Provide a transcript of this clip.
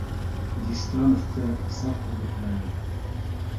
Дистановты саҡ өгөтлә нем